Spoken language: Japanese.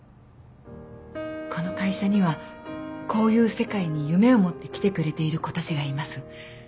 この会社にはこういう世界に夢を持って来てくれている子たちがいます。